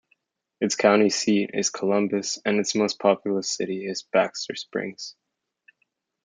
Its county seat is Columbus, and its most populous city is Baxter Springs.